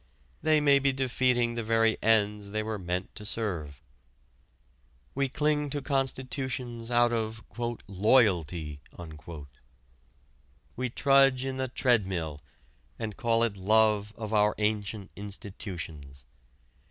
They may be defeating the very ends they were meant to serve. We cling to constitutions out of "loyalty." We trudge in the treadmill and call it love of our ancient institutions.